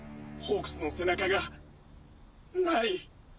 ホークスの背中がナイ！